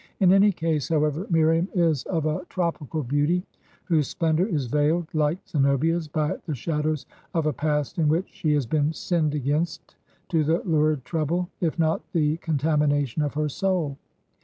In any case, however, Miriam is of a tropical beauty, whose splendor is veiled like Zenobia's by the shadows of a past in which she has been sinned against, to the lurid trouble, if not the contamination, of her soul.